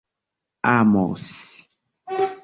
amos